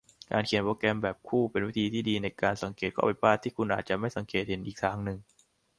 การเขียนโปรแกรมแบบคู่เป็นวิธีที่ดีในการสังเกตข้อผิดพลาดที่คุณอาจจะไม่สังเกตเห็นอีกทางหนึ่ง